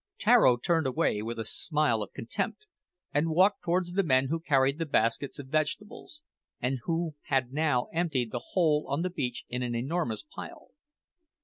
Tararo turned away with a smile of contempt, and walked towards the men who carried the baskets of vegetables, and who had now emptied the whole on the beach in an enormous pile.